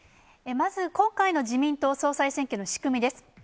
まず今回の自民党総裁選挙の仕組みです。